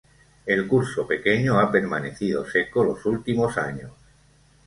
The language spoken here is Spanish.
El curso pequeño ha permanecido seco los últimos años.